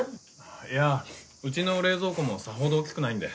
いやうちの冷蔵庫もさほど大きくないんで。